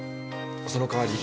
その代わり。